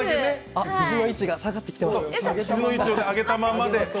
肘の位置が下がってきています。